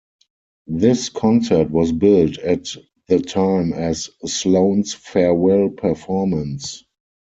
This concert was billed at the time as Sloan's farewell performance.